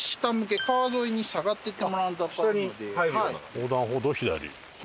横断歩道を左。